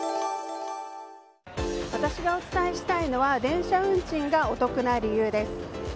私がお伝えしたいのは電車運賃がお得な理由です。